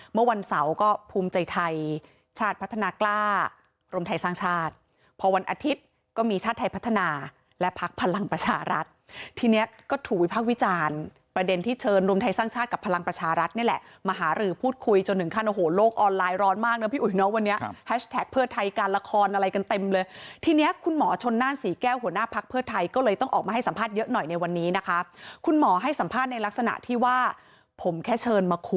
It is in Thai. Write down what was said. เมื่อวันเสาร์ก็ภูมิใจไทยชาติพัฒนากล้ารมไทยสร้างชาติพอวันอาทิตย์ก็มีชาติไทยพัฒนาและพักพลังประชารัฐที่เนี้ยก็ถูกวิพักวิจารณ์ประเด็นที่เชิญรมไทยสร้างชาติกับพลังประชารัฐนี่แหละมหาหรือพูดคุยจนหนึ่งขั้นโอ้โหโลกออนไลน์ร้อนมากเนอะพี่อุ๋ยเนอะวันนี้แฮชแท